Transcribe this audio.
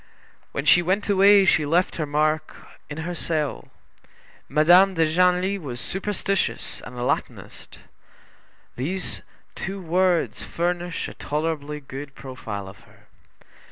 When she went away she left her mark in her cell. Madame de Genlis was superstitious and a Latinist. These two words furnish a tolerably good profile of her.